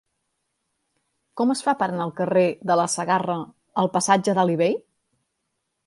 Com es fa per anar del carrer de la Segarra al passatge d'Alí Bei?